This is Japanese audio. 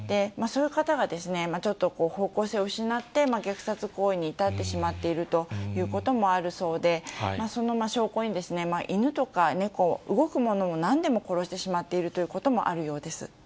そういう方がちょっと方向性を失って、虐殺行為に至ってしまっているということもあるそうで、その証拠に、犬とか猫、動くものをなんでも殺してしまっているということもあるようです。